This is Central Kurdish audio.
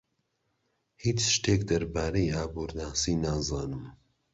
هیچ شتێک دەربارەی ئابوورناسی نازانم.